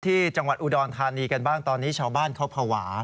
ที่จังหวัดอุดรธานีกันบ้างตอนนี้ชาวบ้านเขาภาวะ